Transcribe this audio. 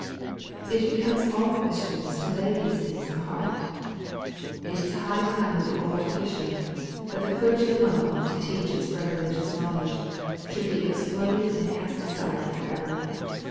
It becomes all Christians to lay these things to heart. It is high time that the old tradition, that the clergy alone ought to teach and spread religious knowledge, should be exploded and cast aside for ever.